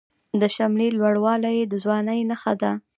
د شملې لوړوالی د ځوانۍ نښه ده.